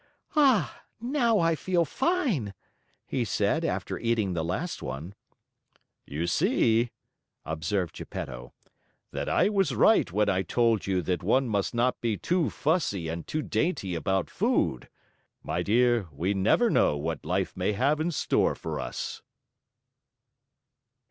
"Ah! Now I feel fine!" he said after eating the last one. "You see," observed Geppetto, "that I was right when I told you that one must not be too fussy and too dainty about food. My dear, we never know what life may have in store for us!"